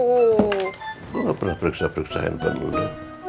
gue gak pernah periksa periksa handphone dulu